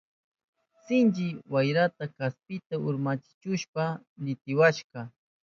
Sinchi wayraka kaspita urmachihushpan nitiwashka.